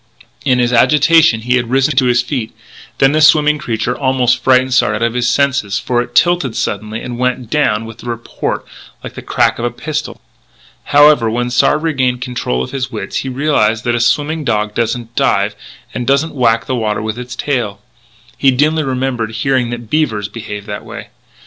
In his agitation he had risen to his feet; and then the swimming creature almost frightened Sard out of his senses, for it tilted suddenly and went down with a report like the crack of a pistol. However, when Sard regained control of his wits he realised that a swimming dog doesn't dive and doesn't whack the water with its tail. He dimly remembered hearing that beavers behaved that way.